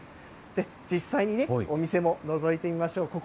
実際にお店ものぞいてみましょう。